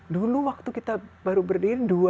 dulu waktu kita baru berdiri